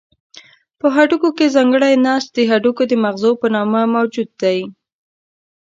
په هډوکو کې ځانګړی نسج د هډوکو د مغزو په نامه موجود دی.